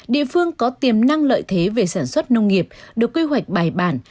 địa phương có tiềm năng lợi thế về sản xuất nông nghiệp được quy hoạch bài bản